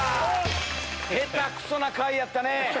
下手くそな回やったね。